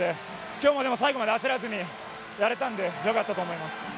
今日も最後まで焦らずにやれたので良かったと思います。